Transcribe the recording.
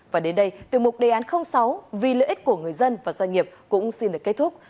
và đến đây tiêu mục đề án sáu vì lợi ích của người dân và doanh nghiệp cũng xin được kết thúc